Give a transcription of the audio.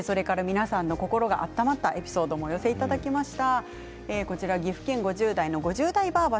皆さんの心が温まったエピソードもお寄せいただきました。